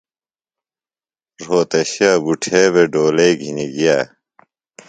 رھوتشے بُٹھے بھےۡ ڈولئی گِھنیۡ گِیہ۔